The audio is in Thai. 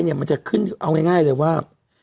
ค่าไฟจะขึ้นค่าไฟเนี่ยเอาง่ายเลยว่า